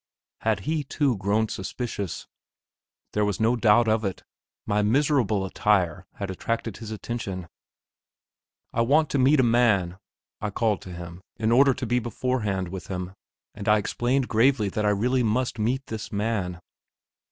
Had he, too, grown suspicious? There was no doubt of it; my miserable attire had attracted his attention. "I want to meet a man," I called to him, in order to be beforehand with him, and I explained gravely that I must really meet this man.